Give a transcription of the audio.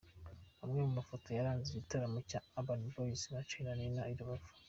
Amwe mu mafoto yaranze igitaramo cya Urban Boys na Charly na Nina i Rubavu :.